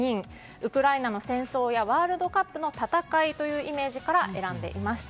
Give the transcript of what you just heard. ウクライナの戦争やワールドカップの戦いというイメージから選んでいました。